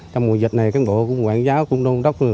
trong mùa dịch này cán bộ quản giáo đô đốc